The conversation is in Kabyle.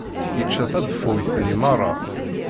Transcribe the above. Yečča tadeffuyt-nni merra.